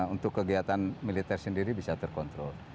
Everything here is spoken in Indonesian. untuk kegiatan militer sendiri bisa terkontrol